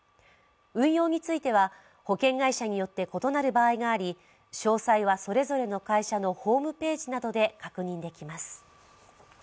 運用については、保険会社によって異なる場合があり詳細はそれぞれの会社のホームページなどで確認できます。